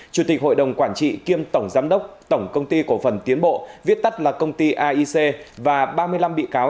chủ tịch hội đồng quản trị kiêm tổng giám đốc tổng công ty cổ phần tiến bộ viết tắt là công ty aic và ba mươi năm bị cáo